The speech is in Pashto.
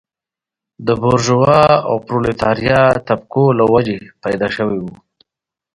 د بورژوا او پرولتاریا طبقو له وجهې پیدا شوی و.